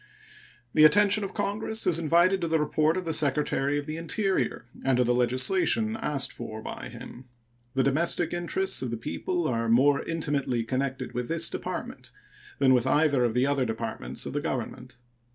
The attention of Congress is invited to the report of the Secretary of the Interior and to the legislation asked for by him. The domestic interests of the people are more intimately connected with this Department than with either of the other Departments of Government.